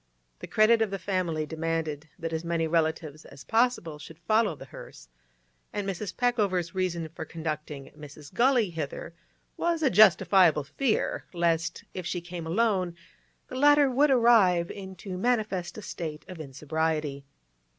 The credit of the family demanded that as many relatives as possible should follow the hearse, and Mrs. Peckover's reason for conducting Mrs. Gully hither was a justifiable fear lest, if she came alone, the latter would arrive in too manifest a state of insobriety.